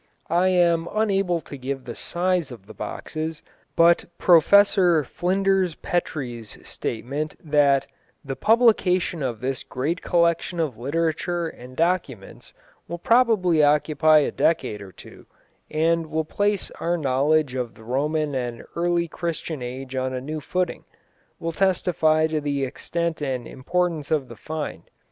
I am unable to give the size of the boxes, but Professor Flinders Petrie's statement that "the publication of this great collection of literature and documents will probably occupy a decade or two, and will place our knowledge of the Roman and early Christian age on a new footing," will testify to the extent and importance of the find.